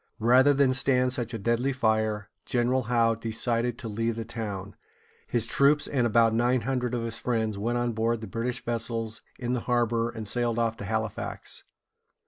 Rather than stand such a deadly fire, General Howe decided to leave the town. His troops, and about nine hundred of his friends, went on board the British vessels in the harbor, and sailed off to Hal´i fax.